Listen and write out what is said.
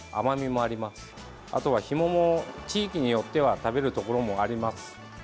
あとはヒモも地域によっては食べるところもあります。